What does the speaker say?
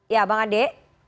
ya bang ade